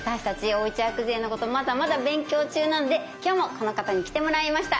おうち薬膳のことまだまだ勉強中なんで今日もこの方に来てもらいました。